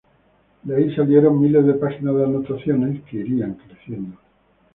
De ahí salieron miles de páginas de anotaciones que irían creciendo.